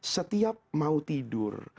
setiap mau tidur